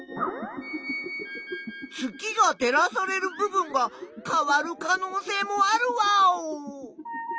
月が照らされる部分が変わる可能性もあるワーオ。